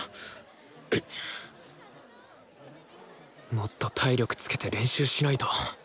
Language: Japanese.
もっと体力つけて練習しないと！